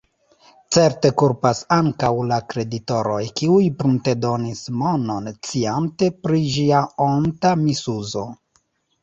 Certe kulpas ankaŭ la kreditoroj, kiuj pruntedonis monon, sciante pri ĝia onta misuzo.